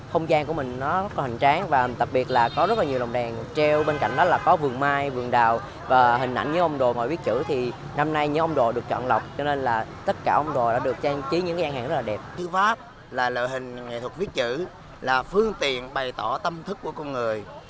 hình nghệ thuật viết chữ là phương tiện bày tỏ tâm thức của con người